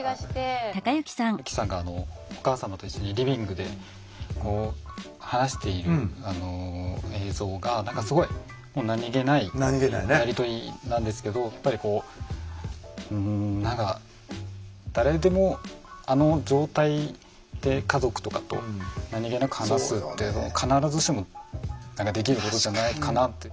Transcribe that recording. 由希さんがお母様と一緒にリビングで話している映像が何かすごいもう何気ないやり取りなんですけどやっぱりこううん何か誰でもあの状態で家族とかと何気なく話すって必ずしもできることじゃないかなって。